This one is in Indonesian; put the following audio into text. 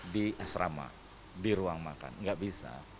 di asrama di ruang makan nggak bisa